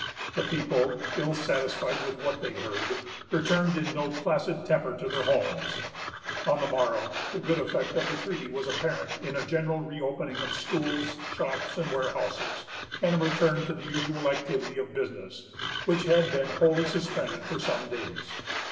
The people, ill satisfied with what they heard, returned in no placid temper to their homes. On the morrow, the good effect of the treaty was apparent in a general reopening of schools, shops, and warehouses, and a return to the usual activity of business, which had been wholly suspended for some days.